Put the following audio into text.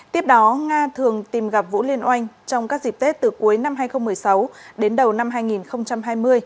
tiếp đó nga thường tìm gặp vũ liên oanh trong các dịp tết từ cuối năm hai nghìn một mươi sáu đến đầu năm hai nghìn hai mươi